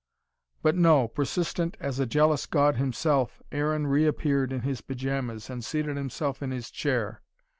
But no, persistent as a jealous God himself, Aaron reappeared in his pyjamas, and seated himself in his chair.